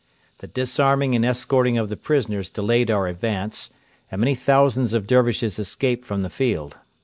The disarming and escorting of the prisoners delayed our advance, and many thousands of Dervishes escaped from the field.